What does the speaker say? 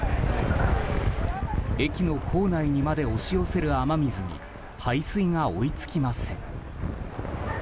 駅の構内にまで押し寄せる雨水に排水が追いつきません。